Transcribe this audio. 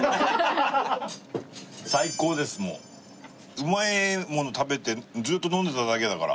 うまいものを食べてずっと飲んでただけだから。